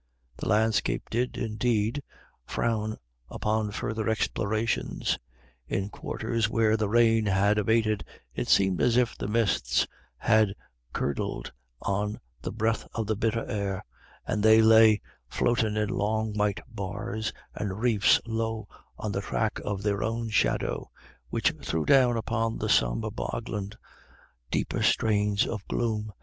The landscape did, indeed, frown upon further explorations. In quarters where the rain had abated it seemed as if the mists had curdled on the breath of the bitter air, and they lay floating in long white bars and reefs low on the track of their own shadow, which threw down upon the sombre bogland deeper stains of gloom.